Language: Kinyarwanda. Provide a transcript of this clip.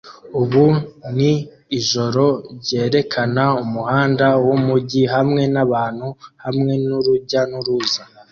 Ubu ni ijoro ryerekana umuhanda wumujyi hamwe nabantu hamwe nurujya n'uruza